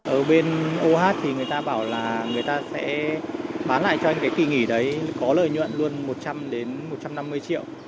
ở bên oh thì người ta bảo là người ta sẽ bán lại cho những cái kỳ nghỉ đấy có lợi nhuận luôn một trăm linh đến một trăm năm mươi triệu